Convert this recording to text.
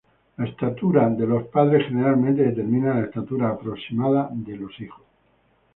La estatura de los padres generalmente determinan la estatura aproximada del hijo.